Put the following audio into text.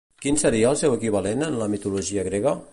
Quin seria el seu equivalent en la mitologia grega?